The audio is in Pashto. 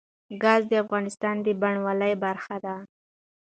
ګاز د افغانستان د بڼوالۍ برخه ده.